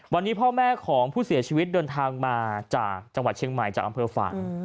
วันนี้พ่อแม่ของผู้เสียชีวิตเดินทางมาจากจังหวัดเชียงใหม่จากอำเภอฝ่าง